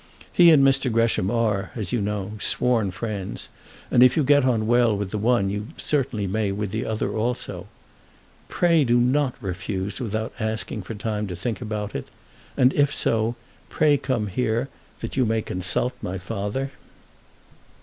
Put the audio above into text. He and Mr. Gresham are, as you know, sworn friends, and if you get on well with the one you certainly may with the other also. Pray do not refuse without asking for time to think about it; and if so, pray come here, that you may consult my father.